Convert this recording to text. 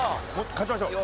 勝ちましょう！